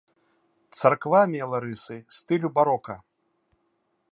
Царква мела рысы стылю барока.